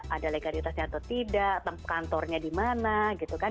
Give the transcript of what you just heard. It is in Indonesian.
ada legalitasnya atau tidak kantornya di mana gitu kan